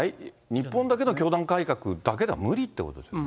日本だけの教団改革だけでは無理ということですよね。